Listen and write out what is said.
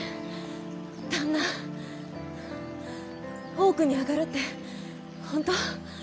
大奥に上がるって本当！？